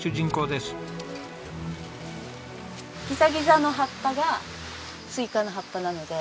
ギザギザの葉っぱがスイカの葉っぱなので。